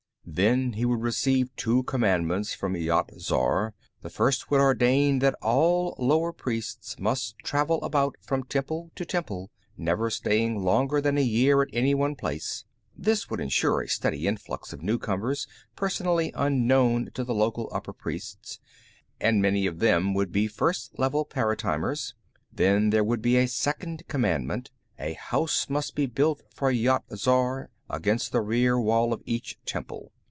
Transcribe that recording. Then he would receive two commandments from Yat Zar. The first would ordain that all lower priests must travel about from temple to temple, never staying longer than a year at any one place. This would insure a steady influx of newcomers personally unknown to the local upper priests, and many of them would be First Level paratimers. Then, there would be a second commandment: A house must be built for Yat Zar, against the rear wall of each temple.